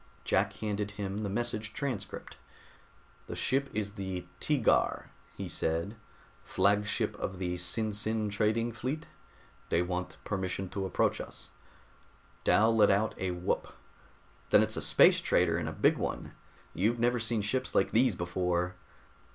Jack handed him the message transcript. "The ship is the Teegar," he said. "Flagship of the SinSin trading fleet. They want permission to approach us." Dal let out a whoop. "Then it's a space trader, and a big one. You've never seen ships like these before."